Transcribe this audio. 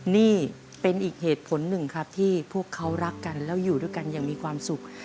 นี่เป็นอีกเหตุผลหนึ่งครับที่พวกเขารักกันแล้วอยู่ด้วยกันอย่างมีความสุข